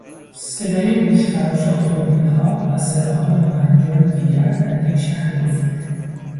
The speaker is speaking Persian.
صدای گوشخراشاتومبیلها و صداهای ناهنجار دیگر در یک شهر بزرگ